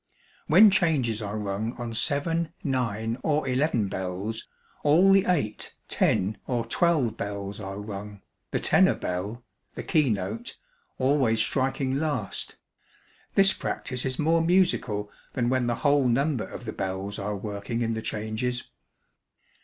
When changes are rung on seven, nine, or eleven bells, all the eight, ten, or twelve bells are rung, the tenor bell the key note always striking last; this practice is more musical than when the whole number of the bells are working in the changes.